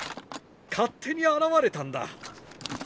勝手に現れたんだ。